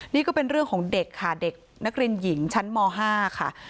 นี่ก็เป็นเรื่องของเด็กค่ะเด็กนักเรียนหญิงชั้นม๕ค่ะ